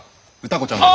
歌子ちゃんの。